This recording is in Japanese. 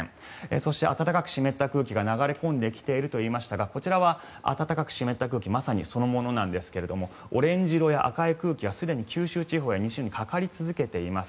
そして、暖かく湿った空気が流れ込んできていると言いましたがこちらは暖かく湿った空気まさにそのものなんですがオレンジ色や赤い空気がすでに九州地方や西日本にかかり続けています。